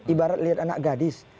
ibarat lihat anak gadis